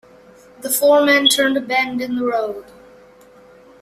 The four men turned a bend in the road.